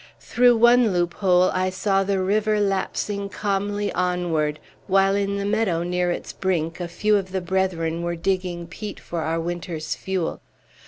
Through one loophole I saw the river lapsing calmly onward, while in the meadow, near its brink, a few of the brethren were digging peat for our winter's fuel.